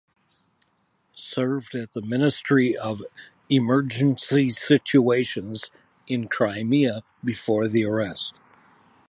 Served at the Ministry of Emergency Situations in Crimea before the arrest.